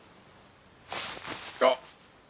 あっ。